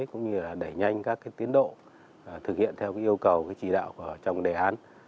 cũng như là đẩy nhanh các tiến độ thực hiện theo yêu cầu chỉ đạo trong đề án